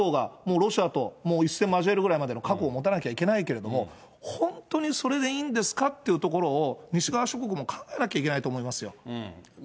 もうロシアと、もう一戦交えるぐらいまでの覚悟を持たなきゃいけないけれども、本当にそれでいいんですかっていうところを、西側諸国も考えなきゃいけないと思いますよ。